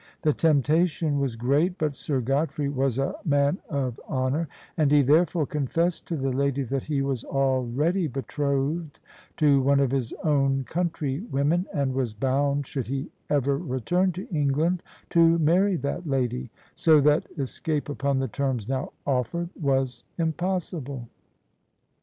The temptation was great, but Sir Godfrey was a man of THE SUBJECTION honour: and he therefore confessed to the lady that he was already betrothed to one of his own country women, and was bound — should he ever return to England — to marry that lady: so that escape upon the terms now offered was impossible.